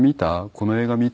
「この映画見た？」